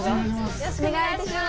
よろしくお願いします。